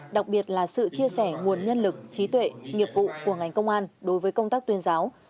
đặc biệt là sự chia sẻ nguồn nhân lực trí tuệ nghiệp vụ của ngành công an đối với công tác tuyên giáo